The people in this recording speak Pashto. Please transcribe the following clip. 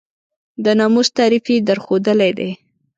د ناموس تعریف یې درښودلی دی.